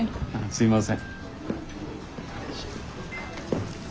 すいません。